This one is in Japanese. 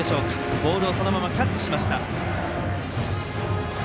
ボールをそのままキャッチしました。